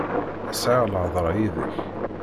Sɛiɣ lhedra yid-k.